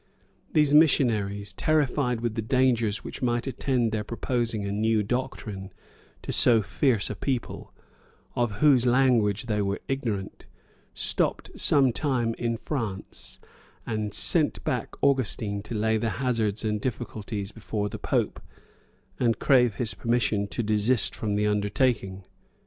These missionaries, terrified with the dangers which might attend their proposing a new doctrine to so fierce a people, of whose language they were ignorant, stopped some time in France, and sent back Augustine to lay the hazards and difficulties before the pope, and crave his permission to desist from the undertaking.